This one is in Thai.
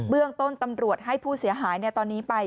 เรื่องต้นตำรวจให้ผู้เสียหายตอนนี้ไป